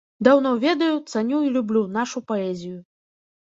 Даўно ведаю, цаню і люблю нашу паэзію.